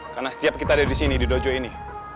karena setiap kita ada di sini di dojo ini